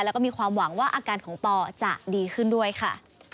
แล้วก็มีความหวังว่าอาการของปอจะดีขึ้นด้วยค่ะ